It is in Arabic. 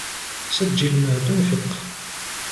سجّل ما تنفق.